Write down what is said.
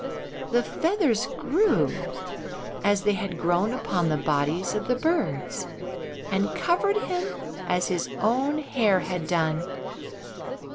The feathers grew as they had grown upon the bodies of the birds and covered him as his own hair had done.